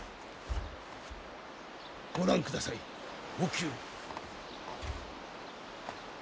ご覧ください沖を。